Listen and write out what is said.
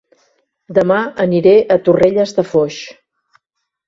Dema aniré a Torrelles de Foix